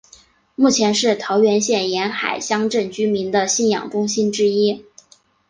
目前是桃园县沿海乡镇居民的信仰中心之一。